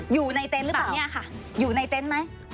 อยู่ในเตนต์หรือเปล่าอยู่ในเตนต์ไหม